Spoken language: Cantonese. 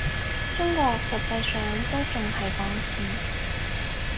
中國實際上都仲係講錢